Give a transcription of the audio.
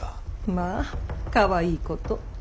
まあかわいいこと。